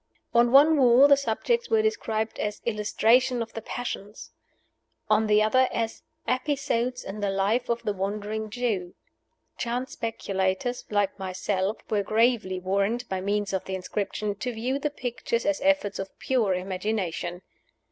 On one wall the subjects were described as "Illustrations of the Passions;" on the other, as "Episodes in the Life of the Wandering Jew." Chance speculators like myself were gravely warned, by means of the inscription, to view the pictures as efforts of pure imagination.